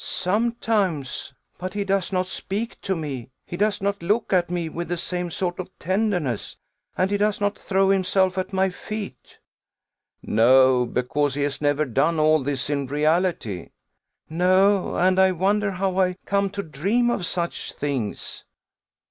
"Sometimes; but he does not speak to me; he does not look at me with the same sort of tenderness, and he does not throw himself at my feet." "No; because he has never done all this in reality." "No; and I wonder how I come to dream of such things."